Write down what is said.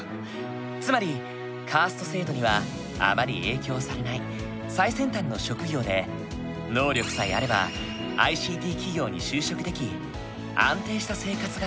つまりカースト制度にはあまり影響されない最先端の職業で能力さえあればＩＣＴ企業に就職でき安定した生活ができる。